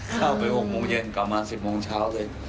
เข้าไป๖โมงเย็นกลับมา๑๐โมงเช้าเลย